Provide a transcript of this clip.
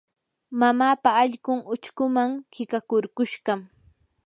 mamaapa allqun uchkuman qiqakurkushqam.